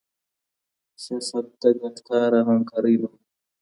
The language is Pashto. سياست د ګډ کار او همکارۍ نوم دی.